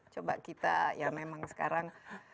coba kita ya memang sekarang